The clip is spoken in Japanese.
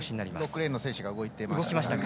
６レーンの選手が動いてましたね。